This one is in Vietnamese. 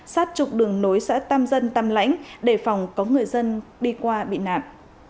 sát trục đường nối xã tàm dân tàm lãnh để phòng có người dân đi qua bị nạn